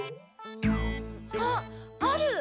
あっある。